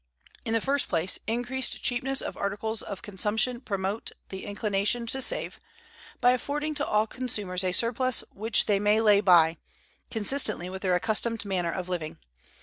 In the first place, increased cheapness of articles of consumption promotes the inclination to save, by affording to all consumers a surplus which they may lay by, consistently with their accustomed manner of living.